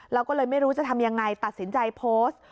แล้วไม่รู้จะทำอย่างไรตัดสินใจโพสต์